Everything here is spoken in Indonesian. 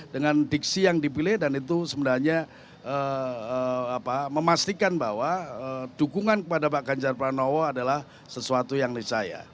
dengan diksi yang dipilih dan itu sebenarnya memastikan bahwa dukungan kepada pak ganjar pranowo adalah sesuatu yang nicaya